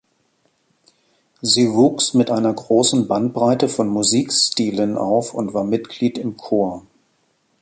Sie wuchs mit einer großen Bandbreite von Musikstilen auf und war Mitglied im Chor.